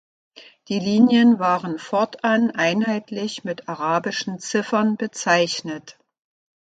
Die Linien waren fortan einheitlich mit arabischen Ziffern bezeichnet.